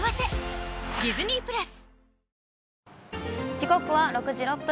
時刻は６時６分。